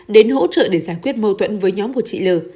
đến hỗ trợ để giải quyết mâu thuẫn với nhóm của chị l